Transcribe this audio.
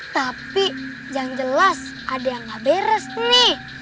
tapi yang jelas ada yang gak beres nih